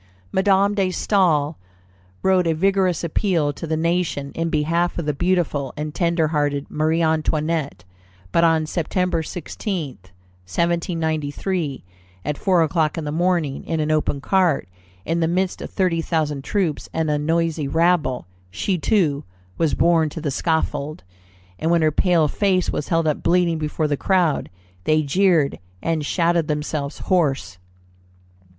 Madame de Staël wrote a vigorous appeal to the nation in behalf of the beautiful and tenderhearted Marie Antoinette; but on Sept. 16, 1793, at four o'clock in the morning, in an open cart, in the midst of thirty thousand troops and a noisy rabble, she, too, was borne to the scaffold; and when her pale face was held up bleeding before the crowd, they jeered and shouted themselves hoarse.